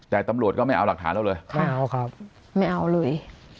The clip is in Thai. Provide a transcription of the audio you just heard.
แต่ตำรวจก็ไม่เอาหลักฐานแล้วเลยไม่เอาเลย